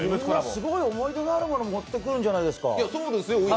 すごい思い出のあるもの持ってくるんじゃないですか。